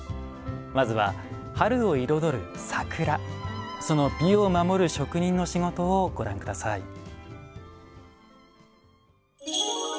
まずは春を彩る桜その美を守る職人の仕事をご覧ください。